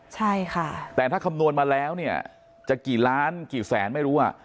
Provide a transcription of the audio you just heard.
ใช่ค่ะแต่ถ้าคำนวณมาแล้วเนี่ยจะกี่ล้านกี่แสนไม่รู้อ่ะ